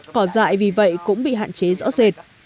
cỏ dại vì vậy cũng bị hạn chế rõ rệt